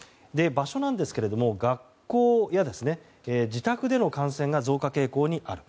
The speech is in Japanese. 場所は学校や自宅での感染が増加傾向にある。